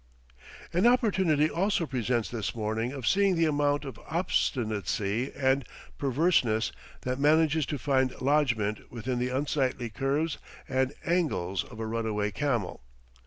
An opportunity also presents this morning of seeing the amount of obstinacy and perverseness that manages to find lodgement within the unsightly curves and angles of a runaway camel.